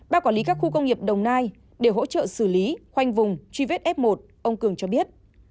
ba quản lý các khu công nghiệp đồng nai để hỗ trợ xử lý khoanh vùng truy vết f một ông cường cho biết